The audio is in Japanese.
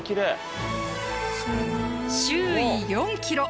周囲４キロ